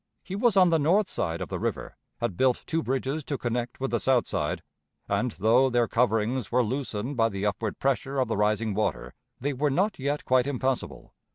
He was on the north side of the river, had built two bridges to connect with the south side, and, though their coverings were loosened by the upward pressure of the rising water, they were not yet quite impassable.